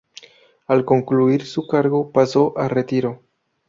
Al concluir su cargo pasó a retiro.